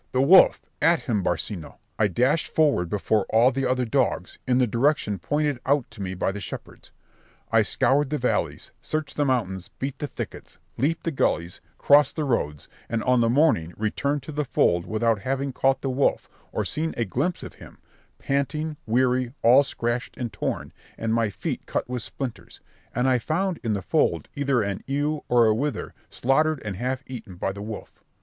the wolf! at him, Barcino," I dashed forward before all the other dogs, in the direction pointed out to me by the shepherds. I scoured the valleys, searched the mountains, beat the thickets, leaped the gullies, crossed the roads, and on the morning returned to the fold without having caught the wolf or seen a glimpse of him, panting, weary, all scratched and torn, and my feet cut with splinters; and I found in the fold either a ewe or a wether slaughtered and half eaten by the wolf.